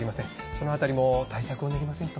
そのあたりも対策を練りませんと。